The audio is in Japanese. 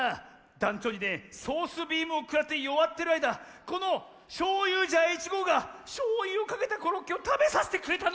だんちょうにねソースビームをくらってよわってるあいだこのショーユージャー１ごうがしょうゆをかけたコロッケをたべさせてくれたのよ。